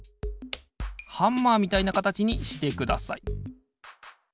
ハンマーみたいなかたちにしてください。